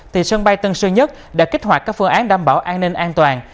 thì sân bay tân sơn nhất đã kích hoạt các phương án đảm bảo an ninh an toàn